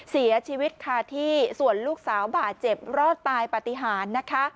เสียชีวิตค่ะที่ส่วนลูกสาวบาดเจ็บรอดตายปฏิหารนะคะ